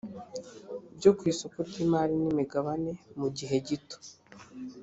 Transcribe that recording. byo ku isoko ry imari n imigabane mu gihe gito